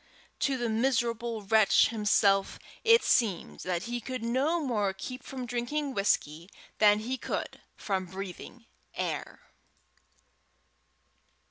To the miserable wretch himself it seemed that he could no more keep from drinking whisky than he could from breathing air.